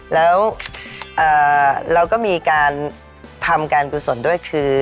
แล้วเราก็มีการทำการกุศลด้วยคือ